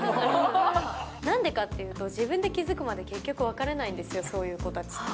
なんでかっていうと、自分で気付くまで、結局分からないんですよ、そういう子たちって。